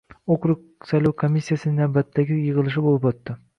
Okrug saylov komissiyasining navbatdagi yig‘ilishi bo‘lib o‘tdi